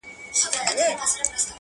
o خدايه لويه، ما وساتې بې زويه!